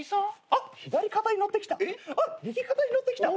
「あっ右肩に乗ってきた。